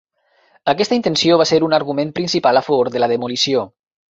Aquesta intenció va ser un argument principal a favor de la demolició.